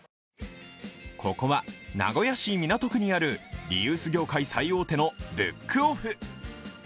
ここは名古屋市港区にあるリユース業界最大手のブックオフ。